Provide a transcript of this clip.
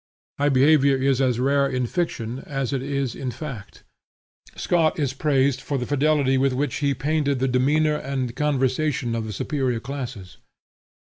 High behavior is as rare in fiction as it is in fact. Scott is praised for the fidelity with which he painted the demeanor and conversation of the superior classes.